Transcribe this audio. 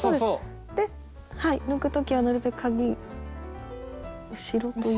で抜く時はなるべくかぎ後ろというか。